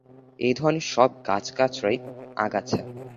এ ধরনের সব গাছগাছড়াই ‘আগাছা’।